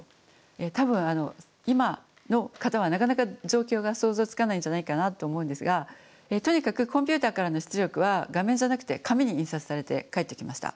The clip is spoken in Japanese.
多分今の方はなかなか状況が想像つかないんじゃないかなと思うんですがとにかくコンピューターからの出力は画面じゃなくて紙に印刷されて返ってきました。